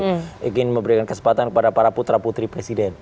mungkin memberikan kesempatan kepada para putra putri presiden